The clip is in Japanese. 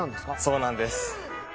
・そうなんです